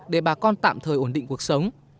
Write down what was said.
để bà con tạm thời ổn định cuộc sống